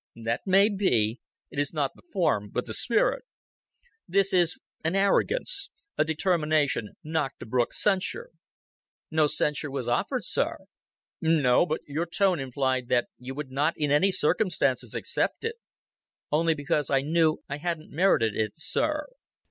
"That may be. It is not the form, but the spirit. There is an arrogance a determination not to brook censure." "No censure was offered, sir." "No, but your tone implied that you would not in any circumstances accept it." "Only because I knew I hadn't merited it, sir."